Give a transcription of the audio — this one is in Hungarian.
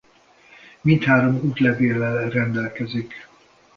Mindhárom útlevéllel rendelkezik.